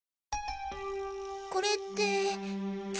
これって血！？